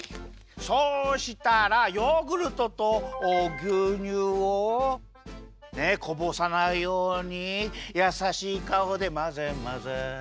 そうしたらヨーグルトとぎゅうにゅうをねっこぼさないようにやさしいかおでまぜまぜ。